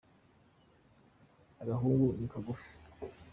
akagahungu nikagufi